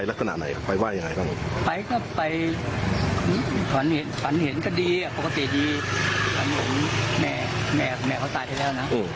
แต่คนข้างบ้านเขาบอกว่าทำไมไม่ไปดูลูกของเธอ